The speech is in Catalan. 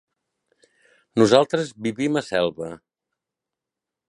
Nosaltres vivim a Selva.